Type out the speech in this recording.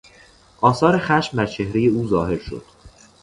آثار خشم بر چهرهی او ظاهر شد.